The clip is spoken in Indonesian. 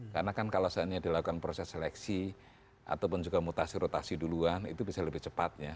karena kan kalau saatnya dilakukan proses seleksi ataupun juga mutasi rotasi duluan itu bisa lebih cepatnya